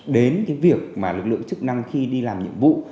đến việc lực lượng chức năng khi đi làm nhiệm vụ